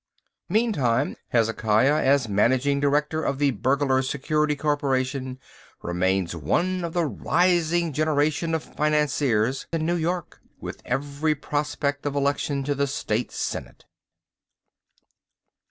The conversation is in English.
Meantime, Hezekiah, as managing director of the Burglars' Security Corporation, remains one of the rising generation of financiers in New York, with every prospect of election to the State Senate.